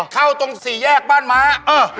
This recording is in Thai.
เข้าตรงสี่แยกบ้านม้า